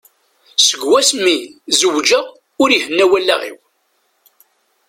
Seg wass-mi zewǧeɣ ur ihenna wallaɣ-iw.